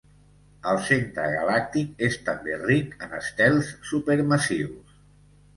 El centre galàctic és també ric en estels supermassius.